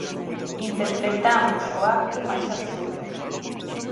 Interpretamos o acto máis absurdo.